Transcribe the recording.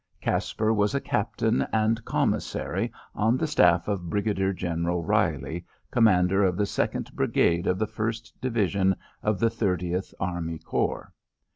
Caspar was a Captain and Commissary on the staff of Brigadier General Reilly, commander of the Second Brigade of the First Division of the Thirtieth Army Corps.